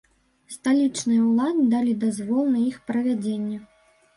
Сталічныя ўлады далі дазвол на іх правядзенне.